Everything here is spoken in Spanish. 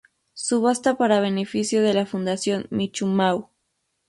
Subasta para beneficio de la Fundación Michu-Mau.